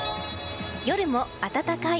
夜も暖かい。